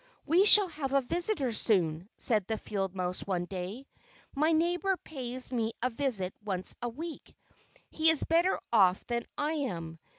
"We shall have a visitor soon," said the field mouse one day. "My neighbour pays me a visit once a week. He is better off than I am.